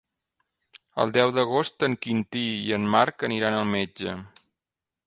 El deu d'agost en Quintí i en Marc aniran al metge.